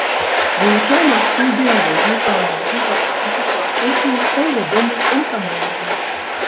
Вывучаў марскую біялогію, заалогію, батаніку, філасофію і стаў вядомым энтамолагам.